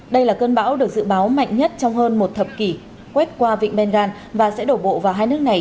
đây là cơn bão được dự báo mạnh nhất trong hơn một thập kỷ quét qua vịnh bengal và sẽ đổ bộ vào hai nước này